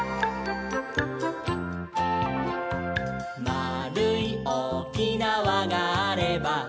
「まあるいおおきなわがあれば」